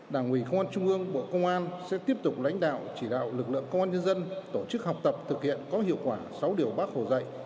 đảng ủy công an trung ương bộ công an sẽ tiếp tục lãnh đạo chỉ đạo lực lượng công an nhân dân tổ chức học tập thực hiện có hiệu quả sáu điều bác hồ dạy